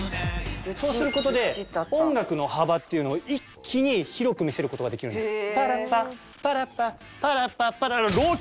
そうする事で音楽の幅っていうのを一気に広く見せる事ができるんです。